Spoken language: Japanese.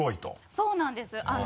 そうなんです。